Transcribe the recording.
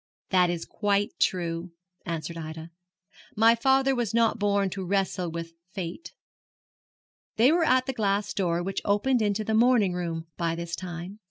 'That is quite true,' answered Ida; 'my father was not born to wrestle with Fate.' They were at the glass door which opened into the morning room by this time.